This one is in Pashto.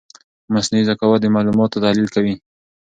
مصنوعي ذکاوت د معلوماتو تحلیل کوي.